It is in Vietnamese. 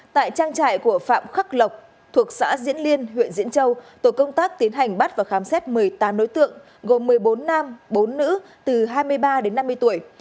tại trang trại của phạm khắc lộc thuộc xã diễn liên huyện diễn châu tổ công tác tiến hành bắt và khám xét một mươi tám đối tượng gồm một mươi bốn nam bốn nữ từ hai mươi ba đến năm mươi tuổi